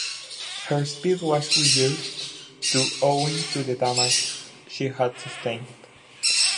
Her speed was reduced to owing to the damage she had sustained.